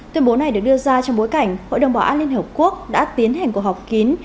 tuyên bố này được đưa ra trong bối cảnh hội đồng bảo an liên hợp quốc đã tiến hành cuộc họp kín